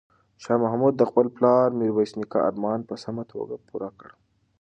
شاه محمود د خپل پلار میرویس نیکه ارمان په سمه توګه پوره کړ.